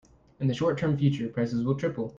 In the short term future, prices will triple.